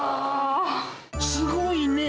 すごいね。